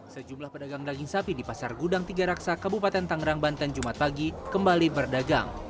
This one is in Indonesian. sejumlah pedagang daging sapi di pasar gudang tiga raksa kabupaten tangerang banten jumat pagi kembali berdagang